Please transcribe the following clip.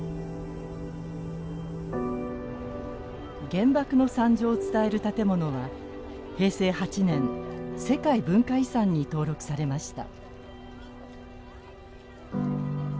原爆の惨状を伝える建物は平成８年世界文化遺産に登録されました。